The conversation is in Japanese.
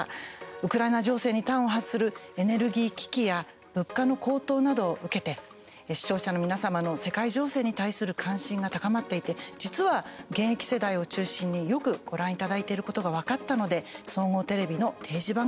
ウクライナ情勢に端を発するエネルギー危機や物価の高騰などを受けて視聴者の皆様の世界情勢に対する関心が高まっていて実は現役世代を中心によくご覧いただいていることが分かったので総合テレビの定時番組としました。